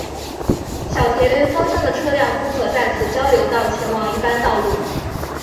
小田原方向的车辆不可在此交流道前往一般道路。